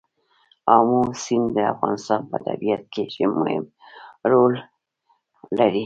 آمو سیند د افغانستان په طبیعت کې مهم رول لري.